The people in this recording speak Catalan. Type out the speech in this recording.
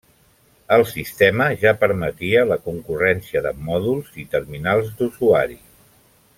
El sistema ja permetia la concurrència de mòduls i terminals d'usuari.